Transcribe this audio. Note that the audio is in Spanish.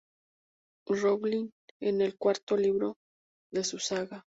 Rowling en el cuarto libro de su saga.